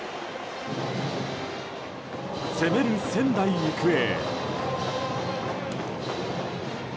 攻める仙台育英。